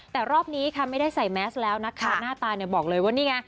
แต่รอบนี้ค่ะไม่ได้ใส่แมสแล้วนะคะหน้าตาเนี่ยบอกเลยว่านี่ไง